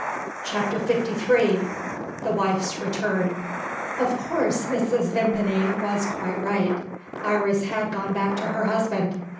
CHAPTER LIII THE WIFE'S RETURN OF course Mrs. Vimpany was quite right. Iris had gone back to her husband.